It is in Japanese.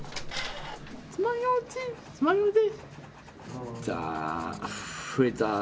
つまようじつまようじ。